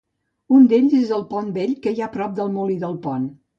Un d'ells és el pont vell que hi ha prop del molí del pont.